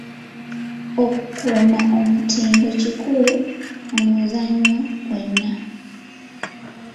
Okukuuma omutindo kikulu mu muzannyo gwonna.